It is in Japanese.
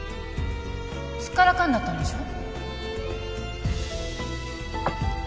すっからかんだったんでしょ？